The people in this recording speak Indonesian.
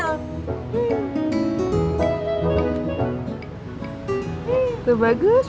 ukur brian ada di club three